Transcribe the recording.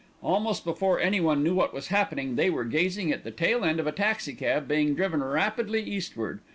Almost before anyone knew what was happening, they were gazing at the tail end of a taxi cab being driven rapidly eastward.